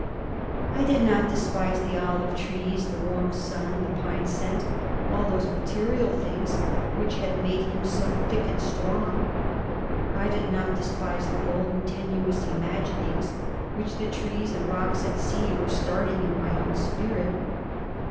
I did not despise the olive trees, the warm sun, the pine scent, all those material things which had made him so thick and strong; I did not despise the golden, tenuous imaginings which the trees and rocks and sea were starting in my own spirit.